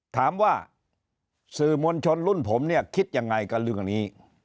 ถามว่าสื่อมวลชนรุ่นผมเนี่ยคิดยังไงกับเรื่องนี้